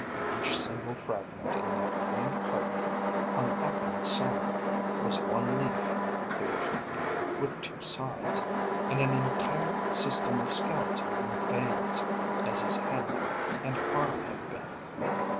Each single fragment in that green carpet hung up in the sun was one leaf, he reflected, with two sides, and an entire system of skeleton and veins, as his hand and arm had been.